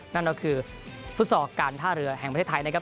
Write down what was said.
นั่นก็คือฟุตซอลการท่าเรือแห่งประเทศไทยนะครับ